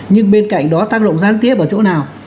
nhưng bên cạnh đó tác động gián tiếp ở chỗ nào